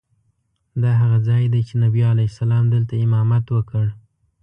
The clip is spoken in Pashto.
دا هغه ځای دی چې نبي علیه السلام دلته امامت وکړ.